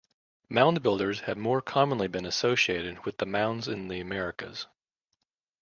"Mound builders" have more commonly been associated with the mounds in the Americas.